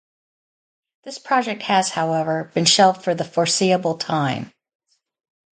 This project has, however been shelved for the foreseeable time.